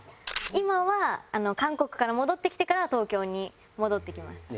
今は韓国から戻ってきてからは東京に戻ってきました。